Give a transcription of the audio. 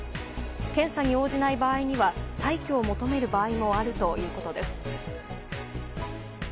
検査に応じない場合には退去を求める場合もあるということです。